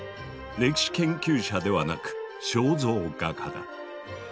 歴史研究者ではなく肖像画家だ。